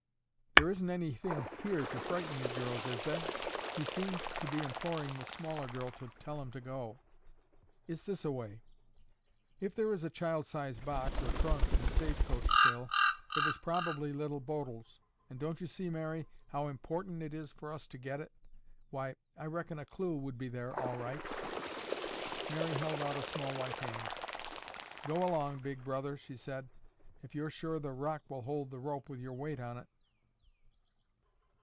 "There isn't anything here to frighten you girls, is there?" He seemed to be imploring the smaller girl to tell him to go. "It's this a way. If there is a child size box or trunk in the stage coach still, it was probably Little Bodil's, and don't you see, Mary, how important it is for us to get it. Why, I reckon a clue would be there all right." Mary held out a small white hand. "Go along, Big Brother," she said, "if you're sure the rock will hold the rope with your weight on it."